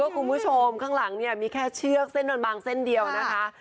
โอ๊ยคุณผู้ชมข้างหลังมีแค่เชือกเส้นเดียวนะคะ